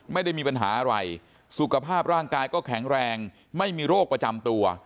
ไม่ได้มีปัญหาอะไรสุขภาพร่างกายก็แข็งแรงไม่มีโรคประจำตัว